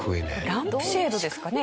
ランプシェードですかね？